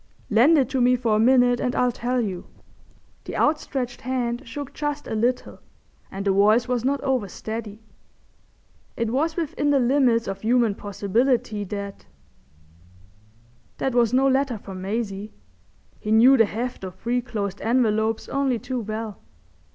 "Lend it to me for a minute and I'll tell you." The outstretched hand shook just a little and the voice was not over steady. It was within the limits of human possibility that—that was no letter from Maisie. He knew the heft of three closed envelopes only too well.